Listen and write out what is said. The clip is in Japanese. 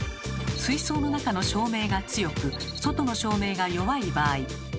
水槽の中の照明が強く外の照明が弱い場合